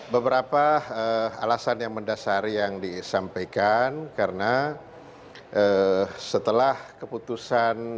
beberapa alasan yang mendasari yang disampaikan karena setelah keputusan